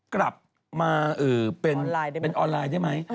กลับมาเป็นออนไลน์ได้ไหม